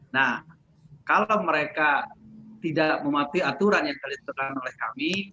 nah kalau mereka tidak mematuhi aturan yang telah ditetapkan oleh kami